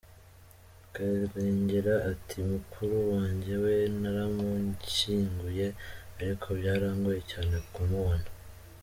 Karengera ati « Mukuru wanjye we naramushyinguye ariko byarangoye cyane kumubona.